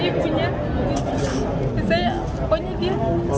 dia punya saya punya dia